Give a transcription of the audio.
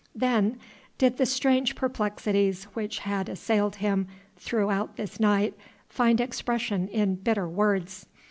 Then did the strange perplexities which had assailed him throughout this night find expression in bitter words.